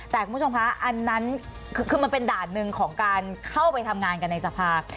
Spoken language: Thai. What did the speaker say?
แต่คุณผู้ชมคะอันนั้นคือมันเป็นด่านหนึ่งของการเข้าไปทำงานกันในสภา